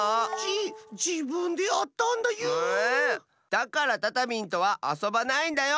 だからタタミンとはあそばないんだよ！